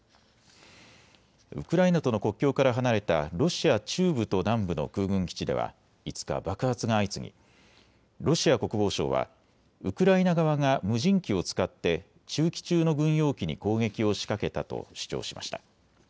ウクライナとの国境から離れたロシア中部と南部の空軍基地では５日、爆発が相次ぎロシア国防省はウクライナ側が無人機を使って駐機中の軍用機に攻撃を仕掛けたと主張しました。